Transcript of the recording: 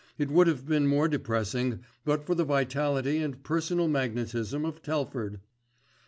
It would have been more depressing; but for the vitality and personal magnetism of Telford!